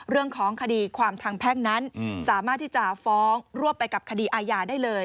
เรื่องของคดีความทางแพ่งนั้นสามารถที่จะฟ้องรวบไปกับคดีอาญาได้เลย